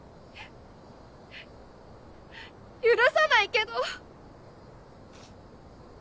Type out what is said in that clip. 許さないけど。